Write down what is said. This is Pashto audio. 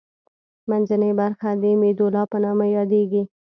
منځنۍ برخه د میدولا په نامه یادیږي.